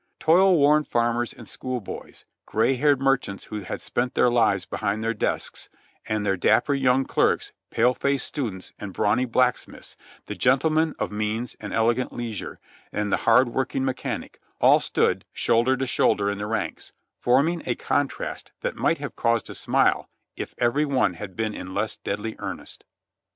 Toil worn farmers and school boys, gray haired merchants who had spent their lives behind their desks, and their dapper young clerks, pale faced students and brawny blacksmiths, the gentle man of means and elegant leisure, and the hard working mechanic, all stood shoulder to shoulder in the ranks, forming a contrast that might have caused a smile if every one had been in less deadly earnest.